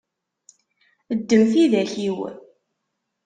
Ddem tidak-iw.